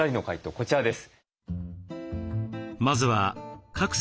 こちらです。